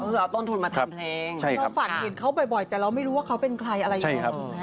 เอาต้นทุนที่ทำเพลง